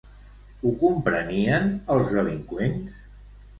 Ho comprenien, els delinqüents?